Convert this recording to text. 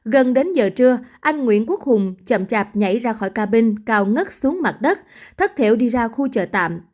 gần đến giờ trưa anh nguyễn quốc hùng chậm chạp nhảy ra khỏi cabin cao ngất xuống mặt đất thất thể đi ra khu chợ tạm